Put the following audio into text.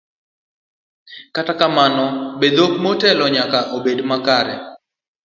Kata kamano, be dhok motelo nyaka bed makare?